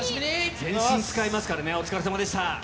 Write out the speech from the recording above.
全身使いますからね、おつかれさまでした。